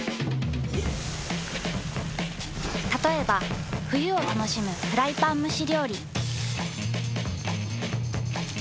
たとえば冬を楽しむフライパン蒸し料理。